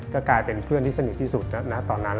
ก็กลายเป็นเพื่อนที่สนิทที่สุดณตอนนั้น